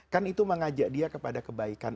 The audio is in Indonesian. kan itu mengajak dia kepada kebaikan